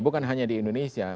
bukan hanya di indonesia